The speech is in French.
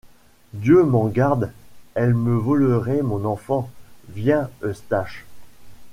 Dieu m’en garde ! elle me volerait mon enfant !— Viens, Eustache !